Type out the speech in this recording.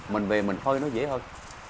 mình về mình khơi nó dễ hơn